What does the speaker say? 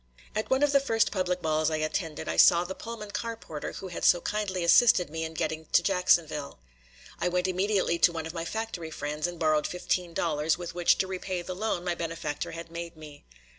At one of the first public balls I attended I saw the Pullman car porter who had so kindly assisted me in getting to Jacksonville. I went immediately to one of my factory friends and borrowed fifteen dollars with which to repay the loan my benefactor had made me.